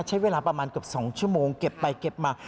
ใช้เวลาประมาณเกือบ๒ชั่วโมงเก็บไปเก็บมา